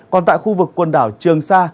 còn tại khu vực quần đảo trường sa